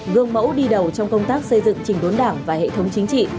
gương mẫu đi đầu trong công tác xây dựng trình đốn đảng và hệ thống chính trị